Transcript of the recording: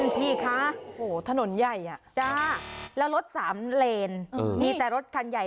พี่คะถนนใหญ่อ่ะจ้าแล้วรถสามเลนมีแต่รถคันใหญ่